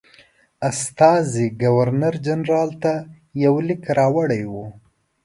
استازي ګورنرجنرال ته یو لیک راوړی وو.